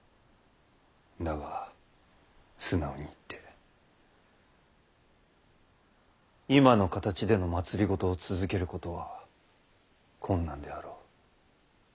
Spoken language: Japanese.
だが素直に言って今の形での政を続けることは困難であろう。